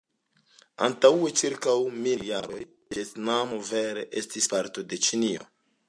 Antaŭ ĉirkaŭ mil jaroj, la Vjetnamo vere estis parto de Ĉinio.